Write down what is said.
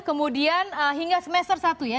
kemudian hingga semester satu ya